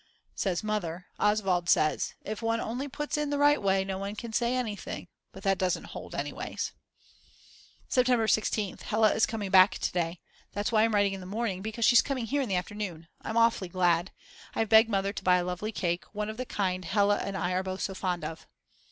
says Mother. Oswald says: If one only puts it in the right way no one can say anything. But that doesn't hold always. September 16th. Hella is coming back to day. That's why I'm writing in the morning, because she's coming here in the afternoon. I'm awfully glad. I have begged Mother to buy a lovely cake, one of the kind Hella and I are both so fond of.